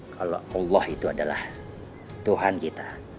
kalau allah itu adalah tuhan kita